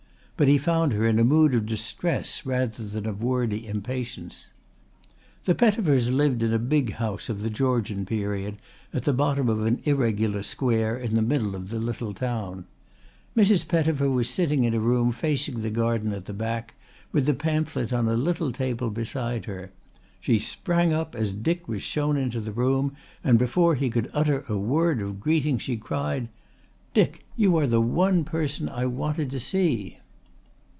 But he found her in a mood of distress rather than of wordy impatience. The Pettifers lived in a big house of the Georgian period at the bottom of an irregular square in the middle of the little town. Mrs. Pettifer was sitting in a room facing the garden at the back with the pamphlet on a little table beside her. She sprang up as Dick was shown into the room, and before he could utter a word of greeting she cried: "Dick, you are the one person I wanted to see."